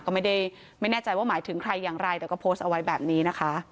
ก็ไม่ได้ไม่แน่ใจว่าหมายถึงใครอย่างไรแต่ก็โพสต์เอาไว้แบบนี้นะคะ